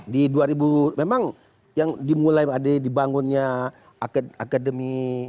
di dua ribu memang yang dimulai dibangunnya akademi